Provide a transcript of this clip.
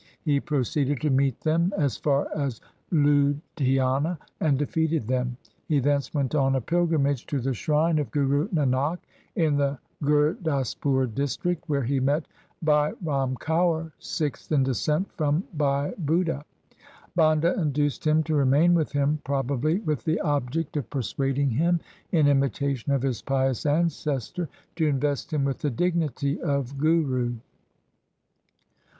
He proceeded to meet them as far as Ludhiana and defeated them. He thence went on a pilgrimage to the shrine of Guru Nanak in the Gurdaspur district, where he met Bhai Ram Kaur, sixth in descent from Bhai Budha. Banda induced him to remain with him, probably with the object of persuading him, in imitation of his pious ancestor, to invest him with the dignity of Guru.